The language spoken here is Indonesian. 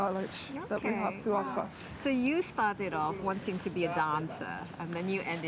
bagi orang itu bergantung pada badan orang